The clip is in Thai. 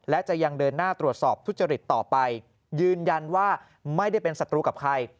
และจะยังเดินหน้าตรวจสอบทุจริตต่อไปยืนยันว่าไม่ได้เป็นศัตรูกับใคร